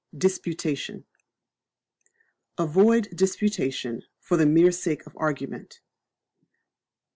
Disputation. Avoid Disputation for the mere sake of argument.